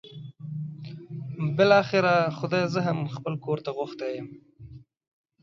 بالاخره خدای زه هم خپل کور ته غوښتی یم.